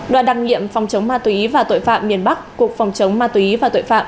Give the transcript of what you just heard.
đoàn đăng nghiệm phòng chống ma túy và tội phạm miền bắc cục phòng chống ma túy và tội phạm